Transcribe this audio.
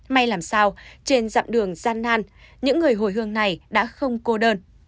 may làm sao trên dặm đường gian nan những người hồi hương này đã không cô đơn